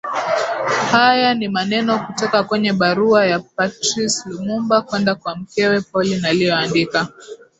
Haya ni maneno kutoka kwenye barua ya Patrice Lumumba kwenda kwa mkewe Pauline aliyoandika